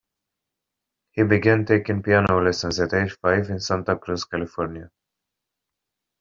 He began taking piano lessons at age five in Santa Cruz, California.